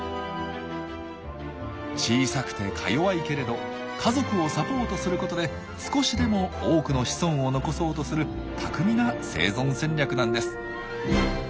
小さくてかよわいけれど家族をサポートすることで少しでも多くの子孫を残そうとする巧みな生存戦略なんです。